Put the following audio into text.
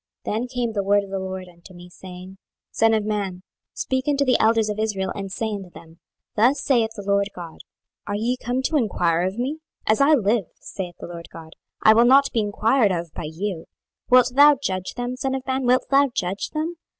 26:020:002 Then came the word of the LORD unto me, saying, 26:020:003 Son of man, speak unto the elders of Israel, and say unto them, Thus saith the Lord GOD; Are ye come to enquire of me? As I live, saith the Lord GOD, I will not be enquired of by you. 26:020:004 Wilt thou judge them, son of man, wilt thou judge them?